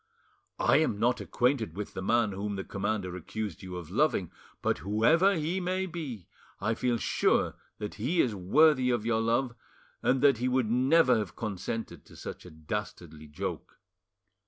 I am not acquainted with the man whom the commander accused you of loving, but whoever he may be I feel sure that he is worthy of your love, and that he would never have consented to such a dastardly joke.